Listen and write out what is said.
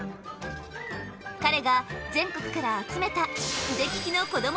彼が全国から集めた腕利きのこども